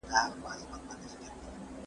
زه اجازه لرم چي وخت ونیسم!